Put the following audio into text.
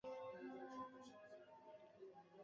দেশের সেবা করার সময় কোথায়।